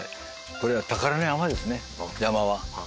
これは宝の山ですね山は。